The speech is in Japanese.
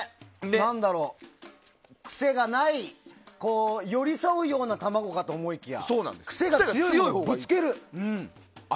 何だろうクセがない寄り添うような卵かと思いきやクセが強い、ぶつける。